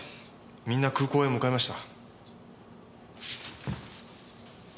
みんな空港へ向かいました。